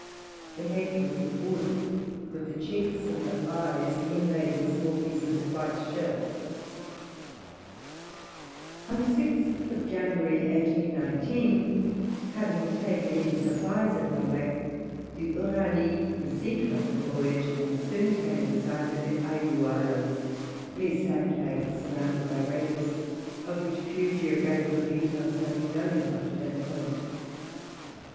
The head was of wood, with the cheeks and eyes inlaid with small pieces of white shell. [Illustration: Map of Australia.] On the 6th of January, 1819, having taken in supplies at Rawak, the Uranie proceeded on her voyage, and soon came in sight of the Ayou islands, mere sand banks surrounded by breakers, of which few geographical details had been known up to that time.